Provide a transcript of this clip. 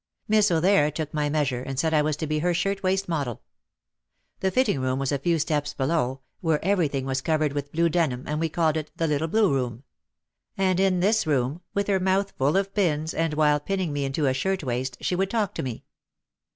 Miss O'There took my measure and said I was to be her shirt waist model. The fitting room was a few steps below, where everything was covered with blue denim and we called it the "little blue room. ,, And in this room, with her mouth full of pins and while pinning me into a shirt waist, she would talk to me.